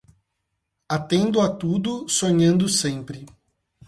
Atendo a tudo sonhando sempre